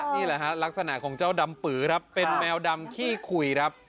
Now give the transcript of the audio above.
นี่แหละฮะลักษณะของเจ้าดำปือครับเป็นแมวดำขี้คุยครับ